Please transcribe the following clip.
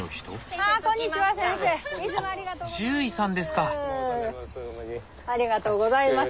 ありがとうございます。